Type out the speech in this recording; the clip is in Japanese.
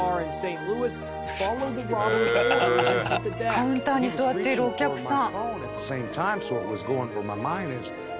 カウンターに座っているお客さん。